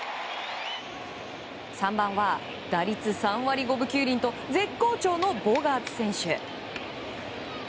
３番は、打率３割５分９厘と絶好調のボガーツ選手。